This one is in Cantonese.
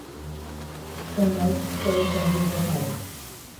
仲有最重要嘅係